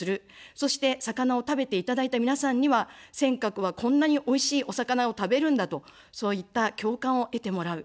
そして魚を食べていただいた皆さんには、尖閣は、こんなにおいしいお魚を食べるんだと、そういった共感を得てもらう。